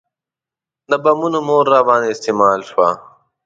د بمونو مور راباندې استعمال شوه.